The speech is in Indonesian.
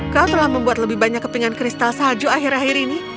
kau telah membuat lebih banyak kepingan kristal salju akhir akhir ini